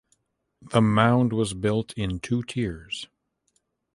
The mound was built in two tiers.